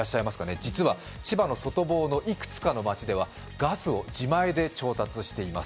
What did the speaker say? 実は千葉の外房のいくつかの町ではガスを自前で調達しています。